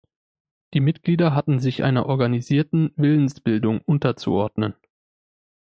Die Mitglieder hatten sich einer organisierten Willensbildung unterzuordnen.